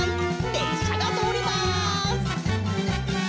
れっしゃがとおります！